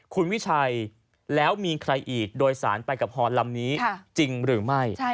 คุณวิชัยแล้วมีใครอีกโดยสารไปกับพรลำนี้จริงหรือไม่